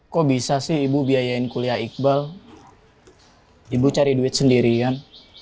kok bisa sih ibu biayain kuliah iqbal ibu cari duit sendirian